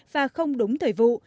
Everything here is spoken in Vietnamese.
và không đúng thời vụ